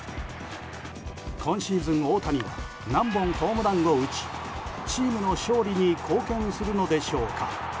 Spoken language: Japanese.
今シーズン、大谷は何本ホームランを打ちチームの勝利に貢献するのでしょうか。